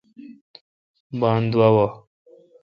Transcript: بان دووا۔